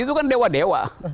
itu kan dewa dewa